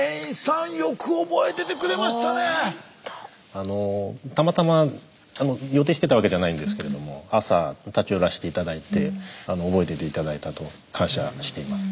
あのたまたま予定してたわけじゃないんですけれども朝立ち寄らせて頂いて覚えてて頂いたと。感謝しています。